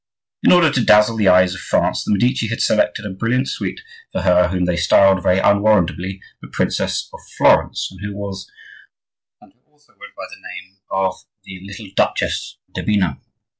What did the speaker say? In order to dazzle the eyes of France the Medici had selected a brilliant suite for her whom they styled, very unwarrantably, the Princess of Florence, and who also went by the name of the little Duchess d'Urbino.